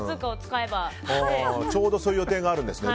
ちょうどそういう予定があるんですね。